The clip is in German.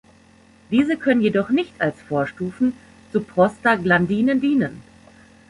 Diese können jedoch nicht als Vorstufen zu Prostaglandinen dienen.